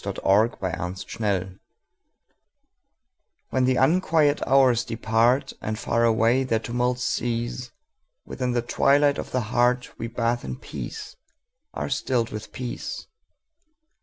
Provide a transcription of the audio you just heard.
The Hour of Twilight WHEN the unquiet hours departAnd far away their tumults cease, Within the twilight of the heartWe bathe in peace, are stilled with peace.